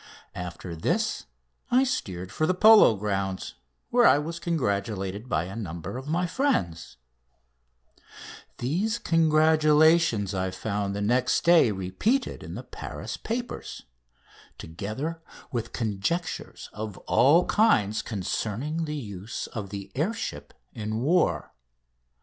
After this I steered for the polo grounds, where I was congratulated by numbers of my friends. [Illustration: "No. 9." AT MILITARY REVIEW, JULY 14, 1903] These congratulations I found the next day repeated in the Paris papers, together with conjectures of all kinds concerning the use of the air ship in war.